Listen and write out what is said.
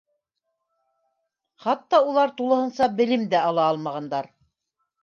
Хатта улар тулыһынса белем дә ала алмағандар.